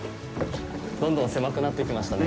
どんどん狭くなってきましたね。